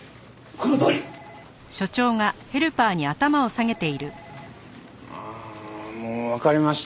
このとおり！ああもうわかりました。